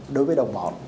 đối với đồng bọn